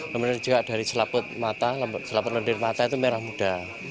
kemudian juga dari selaput mata selaput lendir mata itu merah muda